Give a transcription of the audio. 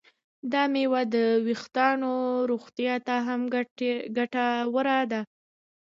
دا میوه د ویښتانو روغتیا ته هم ګټوره ده.